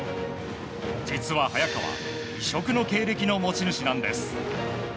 実は、早川異色の経歴の持ち主なんです。